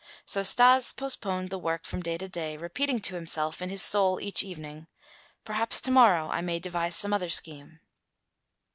So Stas postponed the work from day to day, repeating to himself in his soul each evening: "Perhaps to morrow I may devise some other scheme".